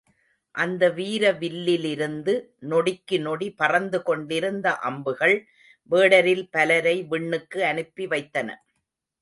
அந்த வீர வில்லிலிருந்து நொடிக்கு நொடி பறந்து கொண்டிருந்த அம்புகள் வேடரில் பலரை விண்ணுக்கு அனுப்பிவைத்தன.